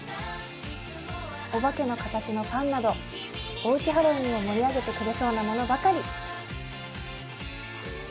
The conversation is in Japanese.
お化けの形のパンなどおうちハロウィーンを盛り上げてくれそうなものばかり。